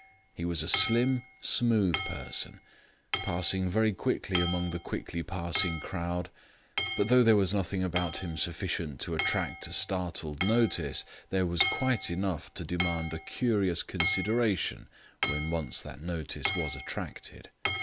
He was a slim, smooth person, passing very quickly among the quickly passing crowd, but though there was nothing about him sufficient to attract a startled notice, there was quite enough to demand a curious consideration when once that notice was attracted.